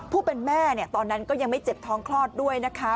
ผู้เป็นแม่ตอนนั้นก็ยังไม่เจ็บท้องคลอดด้วยนะคะ